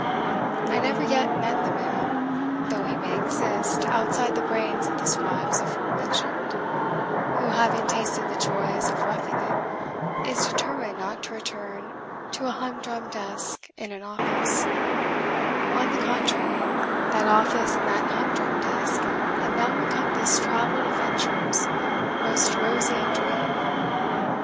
I never yet met the man (though he may exist, outside the brains of the scribes aforementioned) who, having tasted the joys of roughing it, is determined not to return to a humdrum desk in an office: on the contrary, that office and that humdrum desk have now become this travelled adventurer's most roseate dream.